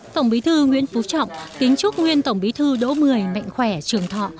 tổng bí thư nguyễn phú trọng kính chúc nguyên tổng bí thư đỗ mười mạnh khỏe trường thọ